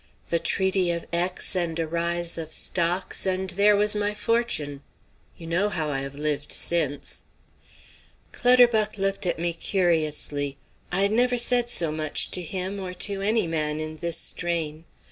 The treaty of Aix and a rise of stocks, and there was my fortune. You know how I have lived since." Clutterbuck looked at me curiously. I had never said so much to him or to any man in this strain.